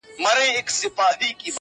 • چي ورته ناست دوستان یې -